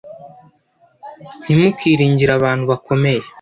ntimukiringire abantu bakomeye,